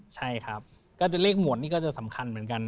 ใช่ครับก็จะเลขหมดนี่ก็จะสำคัญเหมือนกัน